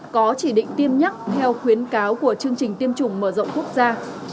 có chỉ định tiêm nhắc theo khuyến cáo của chương trình tiêm chủng mở rộng quốc gia